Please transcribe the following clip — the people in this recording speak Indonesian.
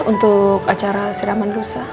untuk acara siraman rusa